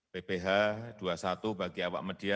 pph dua puluh satu bagi awak media